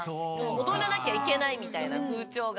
踊らなきゃいけないみたいな風潮が。